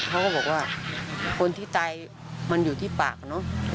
เขาก็บอกว่าคนที่ตายมันอยู่ที่ปากเนอะ